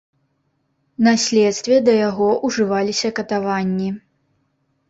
На следстве да яго ўжываліся катаванні.